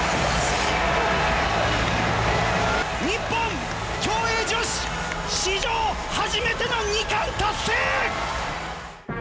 日本、競泳女子史上初めての２冠達成！